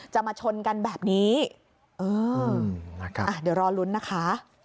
มาชนกันแบบนี้เออนะครับเดี๋ยวรอลุ้นนะคะ